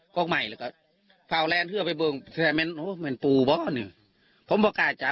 ครับ